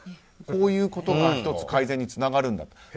こういうことが１つ、改善につながると。